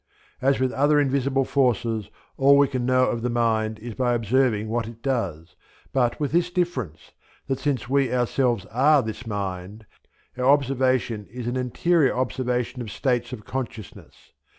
As with other invisible forces all we can know of the mind is by observing what it does, but with this difference, that since we ourselves are this mind, our observation is an interior observation of states of consciousness.